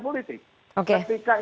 betul ini kan soal kebijakan